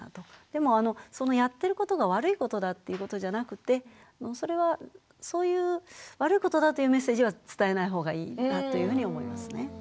でもそのやってることが悪いことだっていうことじゃなくてそれはそういう悪いことだというメッセージは伝えないほうがいいなというふうに思いますね。